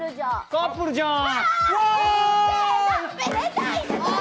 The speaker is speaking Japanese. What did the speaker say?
カップルじゃん！